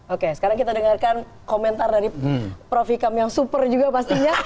oke sekarang kita dengarkan komentar dari prof ikam yang super juga pastinya